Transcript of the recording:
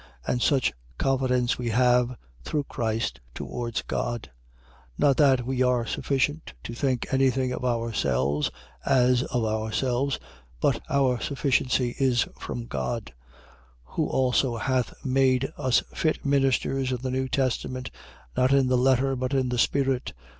3:4. And such confidence we have, through Christ, towards God. 3:5. Not that we are sufficient to think any thing of ourselves, as of ourselves: but our sufficiency is from God. 3:6. Who also hath made us fit ministers of the new testament, not in the letter but in the spirit.